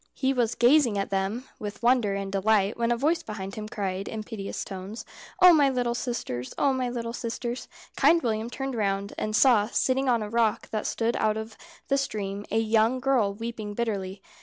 He was gazing at them with wonder and delight, when a voice behind him cried, in piteous tones "Oh, my little sisters! Oh, my little sisters!" Kind William turned round, and saw, sitting on a rock that stood out of the stream, a young girl weeping bitterly.